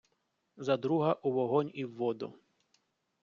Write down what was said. За друга — у вогонь і в воду!